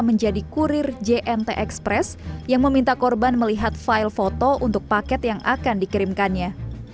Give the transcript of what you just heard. menjadi kurir jnt express yang meminta korban melihat file foto untuk paket yang akan dikirimkannya